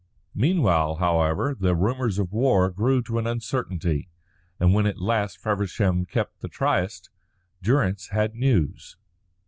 Meanwhile, however, the rumours of war grew to a certainty; and when at last Feversham kept the tryst, Durrance had news.